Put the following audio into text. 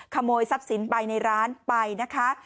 ขโมยทรัพย์สินไปในร้านไปนะคะ